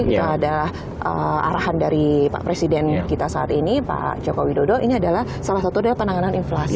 kita ada arahan dari pak presiden kita saat ini pak joko widodo ini adalah salah satu dari penanganan inflasi